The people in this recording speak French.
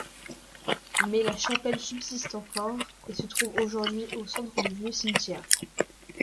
Mais la chapelle subsiste encore, et se trouve aujourd’hui au centre du vieux cimetière.